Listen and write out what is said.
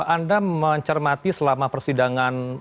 anda mencermati selama persidangan